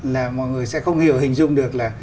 là mọi người sẽ không hiểu hình dung được là